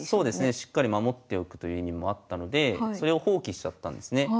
しっかり守っておくという意味もあったのでそれを放棄しちゃったんですね。